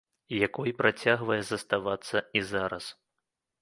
Якой працягвае заставацца і зараз.